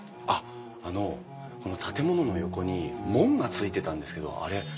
あっあのこの建物の横に門がついてたんですけどあれ